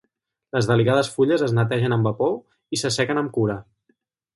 Les delicades fulles es netegen amb vapor i s'assequen amb cura.